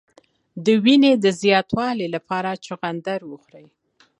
د وینې د زیاتوالي لپاره چغندر وخورئ